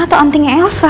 atau antingnya elsa